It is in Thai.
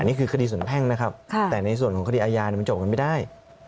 นี่คือคดีส่วนแพ่งนะครับแต่ในส่วนของคดีอาญามันจบกันไม่ได้